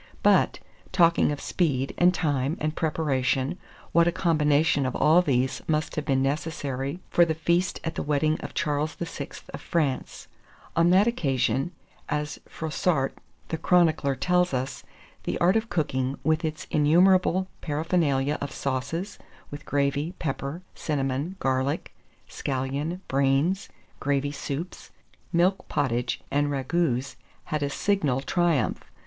But, talking of speed, and time, and preparation, what a combination of all these must have been necessary for the feast at the wedding of Charles VI. of France. On that occasion, as Froissart the chronicler tells us, the art of cooking, with its innumerable paraphernalia of sauces, with gravy, pepper, cinnamon, garlic, scallion, brains, gravy soups, milk potage, and ragoûts, had a signal triumph.